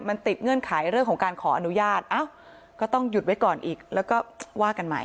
มันติดเงื่อนไขเรื่องของการขออนุญาตเอ้าก็ต้องหยุดไว้ก่อนอีกแล้วก็ว่ากันใหม่